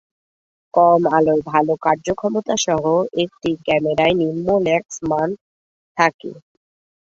কম-আলোয় ভাল কার্যক্ষমতা সহ একটি ক্যামেরায় নিম্ন লাক্স মান থাকে।